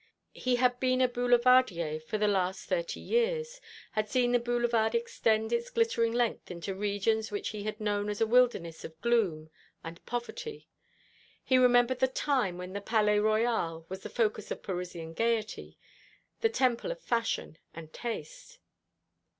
He had been a Boulevardier for the last thirty years, had seen the Boulevard extend its glittering length into regions which he had known as a wilderness of gloom and poverty. He remembered the time when the Palais Royal was the focus of Parisian gaiety, the temple of fashion and taste.